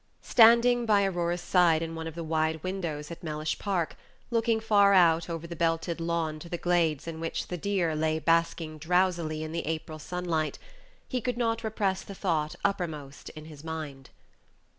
Standing by Aurora's side in one of the wide windows at Mellish Park, looking far out over the belted lawn to the glades in which the deer lay basking drowsily in the April sunlight, he could not repress the thought uppermost in his mind.